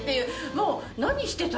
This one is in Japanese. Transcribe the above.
もう何してた？